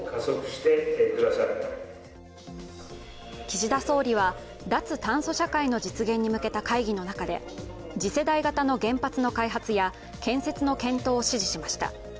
岸田総理は脱炭素社会の実現に向けた会議の中で次世代型の原発の開発や建設の検討を指示しました。